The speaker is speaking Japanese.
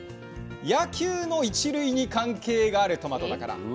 野球の一塁に関係があるトマトだから。